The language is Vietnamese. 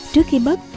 trước khi mất